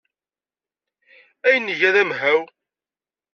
Ayen ay iga d amihaw.